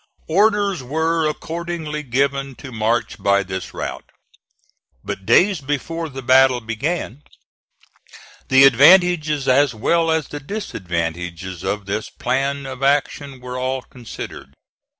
Orders were accordingly given to march by this route. But days before the battle began the advantages as well as the disadvantages of this plan of action were all considered.